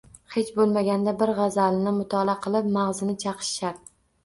Hech bo‘lmaganda bir g‘azalini mutolaa qilib mag‘zini chaqish shart.